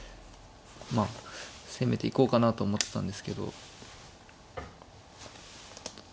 まあ攻めていこうかなと思ってたんですけど。